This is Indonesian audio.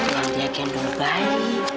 yang dia kendol bayi